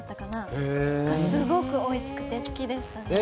それがすごくおいしくて好きでしたね。